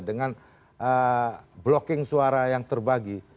dengan blocking suara yang terbagi